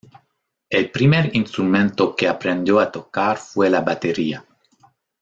El primer instrumento que aprendió a tocar fue la batería.